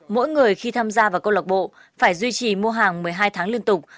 mỗi người khi tham gia vào câu lạc bộ phải duy trì mua hàng một mươi hai tháng liên tục